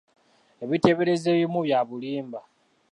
Ebiteeberezo ebimu bya bulimba.